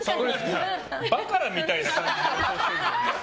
バカラみたいな感じの。